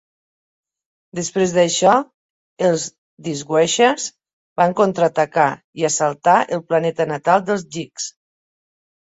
Després d'això, els Dishwashers van contraatacar i assaltar el planeta natal dels Geeks.